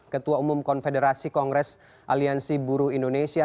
ketua umum konfederasi kongres aliansi buruh indonesia